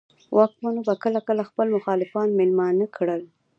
واکمنو به کله کله خپل مخالفان مېلمانه کړل.